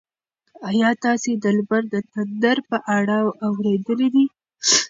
ایا تاسي د لمر د تندر په اړه اورېدلي دي؟